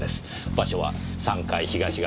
場所は３階東側の隅。